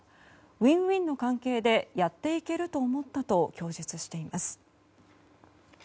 ウィンウィンの関係でやっていけると思ったと供述しています。